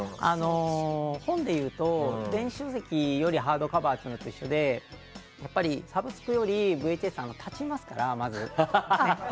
本でいうと、電子書籍よりハードカバーっていうのと一緒でサブスクよりＶＨＳは立ちますから、まず。